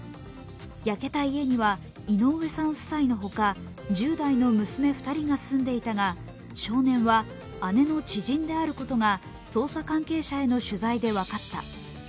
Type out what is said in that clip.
焼けた家には井上さん夫妻の他、１０代の娘２人が住んでいたが少年は姉の知人であることが捜査関係者への取材で分かった。